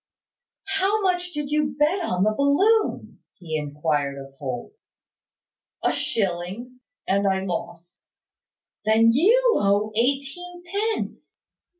"How much did you bet on the balloon?" he inquired of Holt. "A shilling; and I lost." "Then you owe eighteen pence."